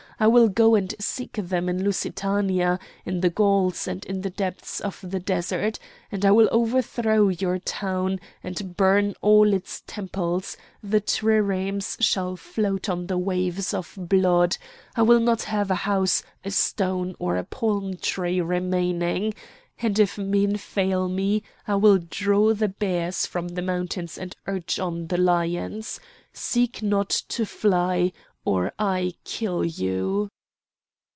I will go and seek them in Lusitania, in the Gauls, and in the depths of the desert, and I will overthrow your town and burn all its temples; the triremes shall float on the waves of blood! I will not have a house, a stone, or a palm tree remaining! And if men fail me I will draw the bears from the mountains and urge on the lions! Seek not to fly or I kill you!"